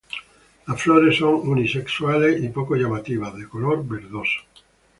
Las flores son unisexuales y poco llamativas, de color verdoso.